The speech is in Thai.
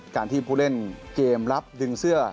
การที่ผู้เล่นเกมรับดึงเสื้อ